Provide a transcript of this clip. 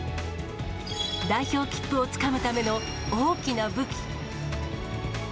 代表切符をつかむための大きな武器。